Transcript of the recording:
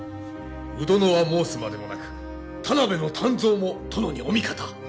鵜殿は申すまでもなく田辺の湛増も殿にお味方。